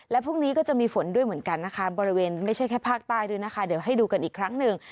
และพรุ่งนี้ก็จะมีฝนด้วยเหมือนกันนะคะบริเวณไม่ใช่แค่ภาคใต้ด้วยนะคะเดี๋ยวให้ดูกันอีกครั้งหนึ่ง